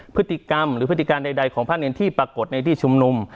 พฤติกรรมหรือพฤติการใดของพระเนรที่ปรากฏในที่ชุมนุม